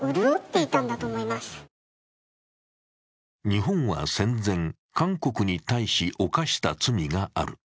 日本は戦前、韓国に対し犯した罪がある。